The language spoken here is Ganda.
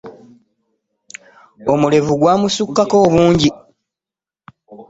Omulevu gwa musukkako obungi.